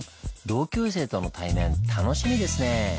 同級生との対面楽しみですねぇ！